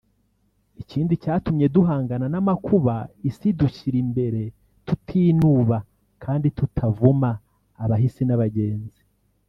Ikindi cyatumye duhangana n’amakuba isi idushyira imbere tutinuba kandi tutavuma abahisi n’abagenzi